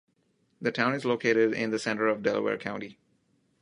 The town is located in the center of Delaware County.